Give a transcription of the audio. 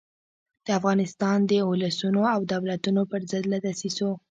د افغانستان د اولسونو او دولتونو پر ضد له دسیسو.